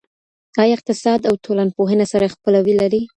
آیا اقتصاد او ټولنپوهنه سره خپلوي لري؟